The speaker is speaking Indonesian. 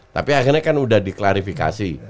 tapi akhirnya kan udah diklarifikasi